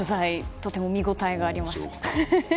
とても見ごたえがありました。